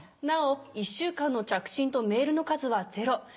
なお１週間の着信とメールの数はゼロ。